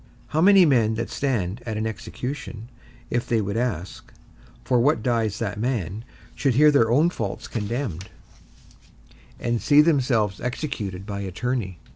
How many men that stand at an execution, if they would ask, For what dies that man? should hear their own faults condemned, and see themselves executed by attorney?